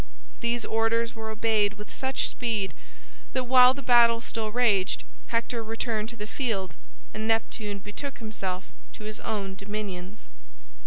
These orders were obeyed with such speed that, while the battle still raged, Hector returned to the field and Neptune betook himself to his own dominions.